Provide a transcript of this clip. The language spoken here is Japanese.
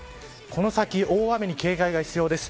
この先、大雨に警戒が必要です。